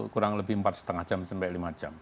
kurang lebih empat lima jam sampai lima jam